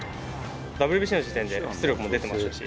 ＷＢＣの時点で、出力も出てましたし、